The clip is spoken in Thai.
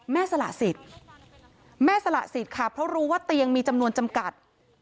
สละสิทธิ์แม่สละสิทธิ์ค่ะเพราะรู้ว่าเตียงมีจำนวนจำกัด